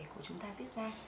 của chúng ta tiết ra